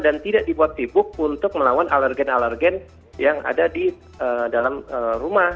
dan tidak dibuat tibuk untuk melawan alergen alergen yang ada di dalam rumah